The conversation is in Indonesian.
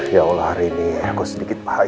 ya allah hari ini aku sedikit pak